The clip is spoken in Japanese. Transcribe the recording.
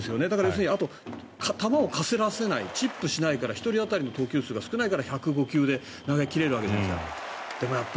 だから要するに球をかすらせないチップしないから１人当たりの投球数が少ないから１０５球で投げ切れるわけじゃないですか。